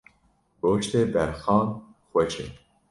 Goştê berxan xweş e.